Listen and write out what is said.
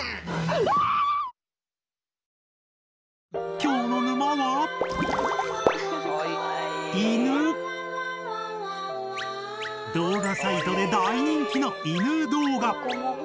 きょうの沼は動画サイトで大人気の「犬動画」！